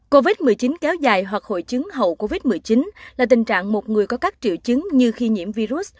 covid một mươi chín kéo dài hoặc hội chứng hậu covid một mươi chín là tình trạng một người có các triệu chứng như khi nhiễm virus